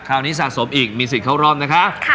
คราวนี้สะสมอีกมีสิทธิ์เข้ารอบนะคะ